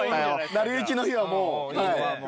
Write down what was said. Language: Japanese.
『なりゆき』の日はもう。